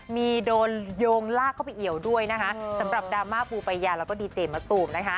มีโดนโยงลากเข้าไปเอี่ยวด้วยนะคะสำหรับดราม่าปูปายาแล้วก็ดีเจมะตูมนะคะ